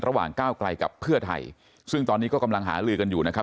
ก้าวไกลกับเพื่อไทยซึ่งตอนนี้ก็กำลังหาลือกันอยู่นะครับ